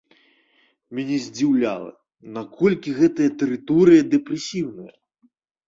Мяне здзіўляла, наколькі гэтая тэрыторыя дэпрэсіўная.